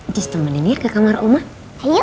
just temennya ke kamar oma ayo ayo